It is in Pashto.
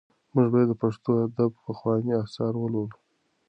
موږ باید د پښتو ادب پخواني اثار ولولو.